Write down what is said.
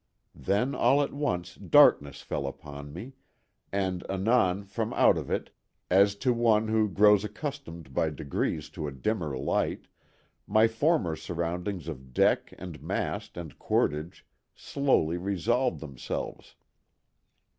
Then all at once darkness fell upon me, and anon from out of it, as to one who grows accustomed by degrees to a dimmer light, my former surroundings of deck and mast and cordage slowly resolved themselves.